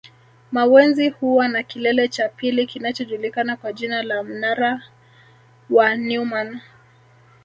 Mawenzi huwa na kilele cha pili kinachojulikana kwa jina la mnara wa Neumann